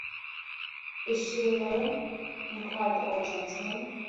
‘Is she alone?’ inquired the old gentleman.